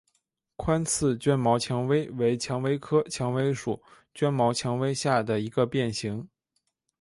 宽刺绢毛蔷薇为蔷薇科蔷薇属绢毛蔷薇下的一个变型。